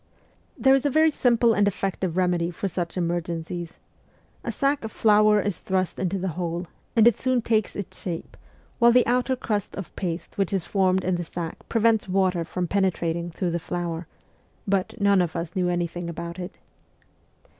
There is a very simple and effective remedy for such emergencies. A sack of flour is thrust into the hole, and it soon takes its shape, while the outer crust of paste which is formed in the sack prevents water from penetrating through the flour ; but none of us knew anything about it.